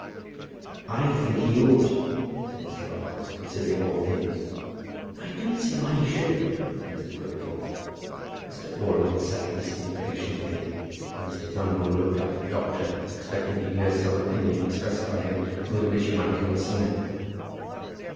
"I think he ought," said Mr. Robarts; "considering all things." "I don't see why he shouldn't," said Mr. Quiverful. Mr. Oriel sat listening patiently, and Mr. Thumble looked up to the doctor, expecting to hear some opinion expressed by him with which he might coincide.